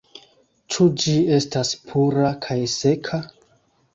Ĉu ĝi estas pura kaj seka?